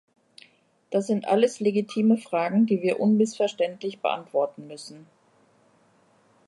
Das sind alles legitime Fragen, die wir unmissverständlich beantworten müssen.